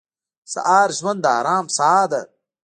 سهار د ژوند د ارام ساه ده.